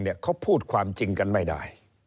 เขาพูดความจริงกันไม่ได้